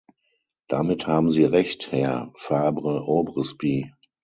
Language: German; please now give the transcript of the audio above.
Damit haben Sie Recht, Herr Fabre-Aubrespy.